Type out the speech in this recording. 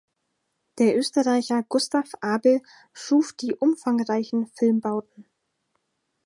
Der Österreicher Gustav Abel schuf die umfangreichen Filmbauten.